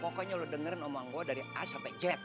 pokoknya lo dengerin omong gue dari a sampai z